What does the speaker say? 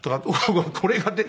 これがね。